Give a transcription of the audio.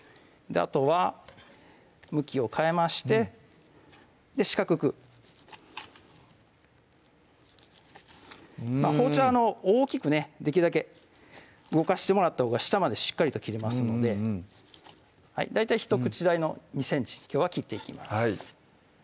あとは向きを変えまして四角く包丁は大きくねできるだけ動かしてもらったほうが下までしっかりと切れますので大体ひと口大の２ｃｍきょうは切っていきます